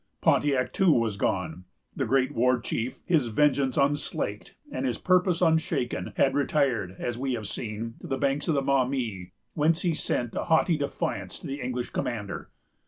Pontiac too was gone. The great war chief, his vengeance unslaked, and his purpose unshaken, had retired, as we have seen, to the banks of the Maumee, whence he sent a haughty defiance to the English commander.